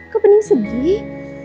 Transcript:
kok bening sedih